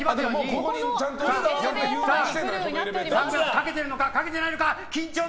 サングラスかけているのかかけていないのか。